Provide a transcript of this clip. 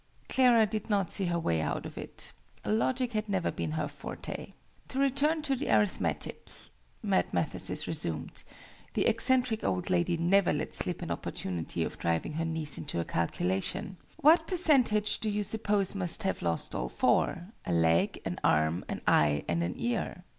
Clara did not see her way out of it. Logic had never been her forte. "To return to the arithmetic," Mad Mathesis resumed the eccentric old lady never let slip an opportunity of driving her niece into a calculation "what percentage do you suppose must have lost all four a leg, an arm, an eye, and an ear?"